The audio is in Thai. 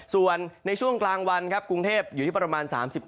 ส่วนในช่วงกลางวันครับกรุงเทพอยู่ที่ประมาณ๓๙